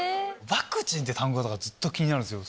ワクチンって単語、ずっと気になるんですよ。